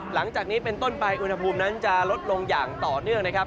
หลังจากนี้เป็นต้นไปอุณหภูมินั้นจะลดลงอย่างต่อเนื่องนะครับ